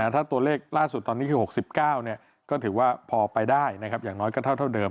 ถ้าตัวเลขล่าสุดตอนนี้คือ๖๙ก็ถือว่าพอไปได้นะครับอย่างน้อยก็เท่าเดิม